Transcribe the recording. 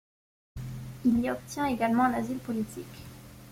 Il y obtient également l’asile politique.